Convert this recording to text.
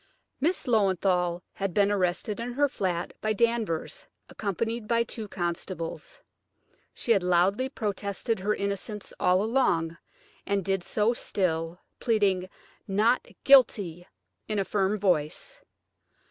Miss Löwenthal had been arrested in her flat by Danvers, accompanied by two constables. She had loudly protested her innocence all along, and did so still, pleading "Not guilty" in a firm voice.